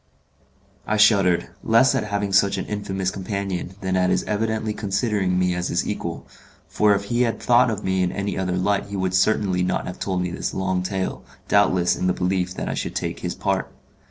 I shuddered, less at having such an infamous companion than at his evidently considering me as his equal, for if he had thought of me in any other light he would certainly not have told me this long tale, doubtless in the belief that I should take his part.